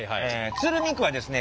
鶴見区はですね